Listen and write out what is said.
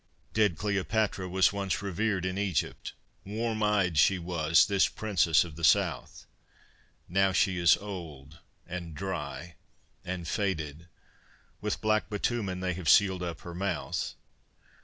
Dead Cleopatra was once revered in Egypt, Warm eyed she was, this princess of the South. Now she is old and dry and faded, With black bitumen they have sealed up her mouth.